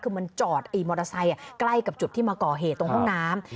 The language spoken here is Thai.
คือมันจอดมอเตอร์ไซค์ใกล้กับจุดที่มาก่อเหตุตรงห้องน้ำ